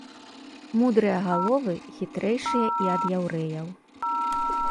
Мудрыя галовы, хітрэйшыя і ад яўрэяў.